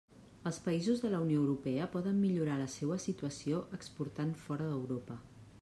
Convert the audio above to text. Els països de la Unió Europea poden millorar la seua situació exportant fora d'Europa.